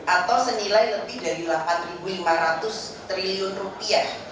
atau senilai lebih dari delapan lima ratus triliun rupiah